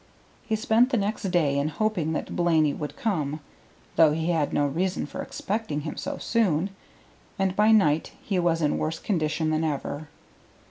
He spent the next day in hoping that Blaney would come, though he had no reason for expecting him so soon, and by night he was in worse condition than ever.